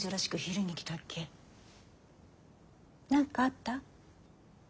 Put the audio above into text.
何かあった？